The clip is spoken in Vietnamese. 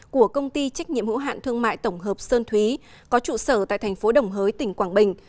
của công ty trách nhiệm hữu hạn thương mại tổng hợp sơn thúy có trụ sở tại thành phố đồng hới tỉnh quảng bình